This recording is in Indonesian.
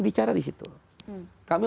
bicara di situ kami